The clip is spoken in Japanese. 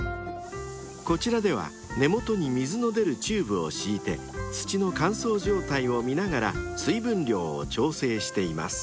［こちらでは根元に水の出るチューブを敷いて土の乾燥状態を見ながら水分量を調整しています］